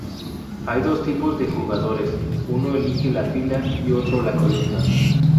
Hay dos tipos de jugadores; uno elige la fila y otro la columna.